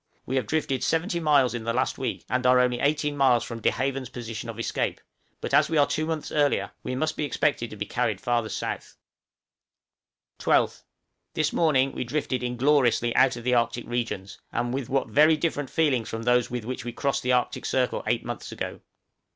We have drifted 70 miles in the last week, and are only 18 miles from De Haven's position of escape; but as we are two months earlier, we must expect to be carried farther south. 12th. This morning we drifted ingloriously out of the Arctic regions, and with what very different feelings from those with which we crossed the Arctic circle eight months ago!